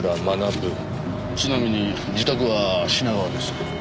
ちなみに自宅は品川です。